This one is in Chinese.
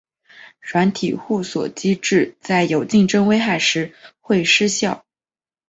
软体互锁机制在有竞争危害时会失效。